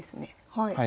はい。